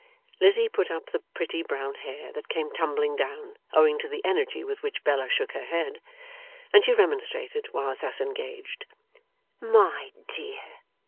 Lizzie put up the pretty brown hair that came tumbling down, owing to the energy with which Bella shook her head; and she remonstrated while thus engaged, 'My dear!